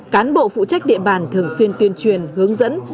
cán bộ phụ trách địa bàn thường xuyên tuyên truyền hướng dẫn